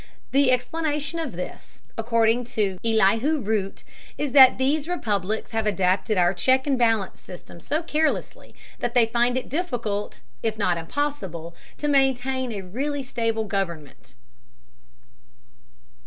The explanation of this, according to Elihu Root, is that these republics have adapted our check and balance system so carelessly that they find it difficult, if not impossible, to maintain a really stable government.